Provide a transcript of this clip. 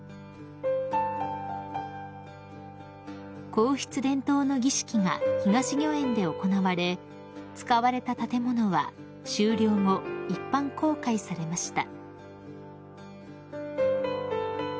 ［皇室伝統の儀式が東御苑で行われ使われた建物は終了後一般公開されました］